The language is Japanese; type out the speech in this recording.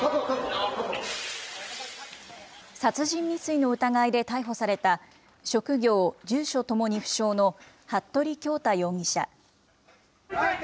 殺人未遂の疑いで逮捕された、職業、住所ともに不詳の服部恭太容疑者。